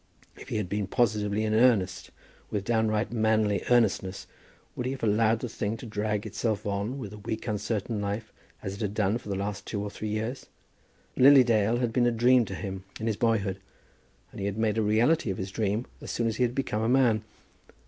If he had been positively in earnest, with downright manly earnestness, would he have allowed the thing to drag itself on with a weak uncertain life, as it had done for the last two or three years? Lily Dale had been a dream to him in his boyhood; and he had made a reality of his dream as soon as he had become a man.